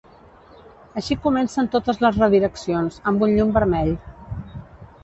Així comencen totes les redireccions, amb un llum vermell.